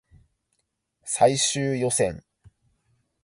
最終予選